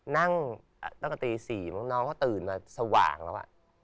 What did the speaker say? นั่งตั้งวันตี๔ม่อน้องก็ตื่นมาสว่างแล้ว